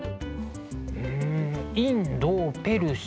うんインドペルシャ